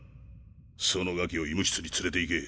そのガキを医務室に連れていけ。